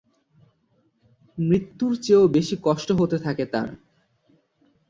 মৃত্যুর চেয়েও বেশি কষ্ট হতে থাকে তার।